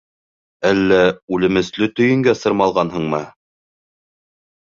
Әллә үлемесле төйөнгә сырмалғанһыңмы?